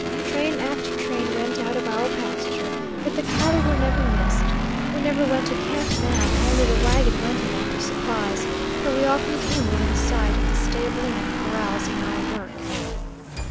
Train after train went out of our pasture, yet the cattle were never missed. We never went to camp now; only the wagon went in after supplies, though we often came within sight of the stabling and corrals in our work.